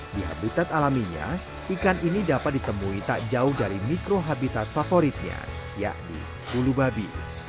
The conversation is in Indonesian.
di habitat alaminya ikan ini dapat ditemui tak jauh dari mikro habitat favoritnya yakni ulu babi